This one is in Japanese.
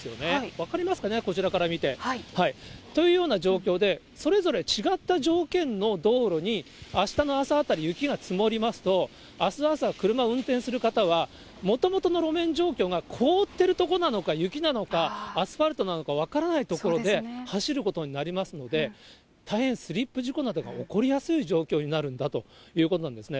分かりますかね、こちらから見て。というような状況で、それぞれ違った条件の道路に、あしたの朝あたり、雪が積もりますと、あす朝、車を運転する方は、もともとの路面状況が凍ってる所なのか、雪なのか、アスファルトなのか分からない所で走ることになりますので、大変スリップ事故などが起こりやすい状況になるんだということなんですね。